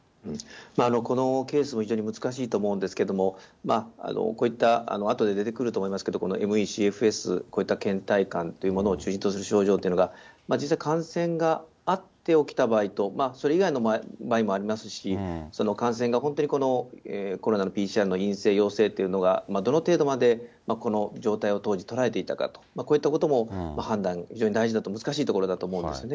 このケースも非常に難しいと思うんですけれども、こういった後で出てくると思いますけど、ＭＥ／ＣＦＳ、こういったけん怠感というものが中心とする症状というのは、実際、感染があって起きた場合と、それ以外の感染の場合もありますし、本当にその感染が本当にコロナのＰＣＲの陰性、陽性っていうのが、どの程度までこの状態を当時、捉えていたかと、こういったことも判断、非常に大事だと、難しいところだと思うんですね。